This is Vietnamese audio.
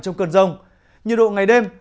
trong cơn rông nhiệt độ ngày đêm